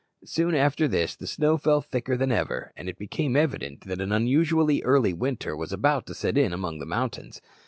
Soon after this the snow fell thicker than ever, and it became evident that an unusually early winter was about to set in among the mountains.